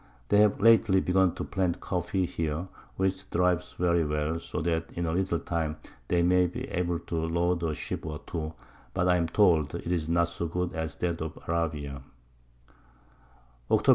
They have lately begun to plant Coffee here, which thrives very well, so that in a little time they may be able to load a Ship or two; but I am told it is not so good as that of Arabia. _Octob.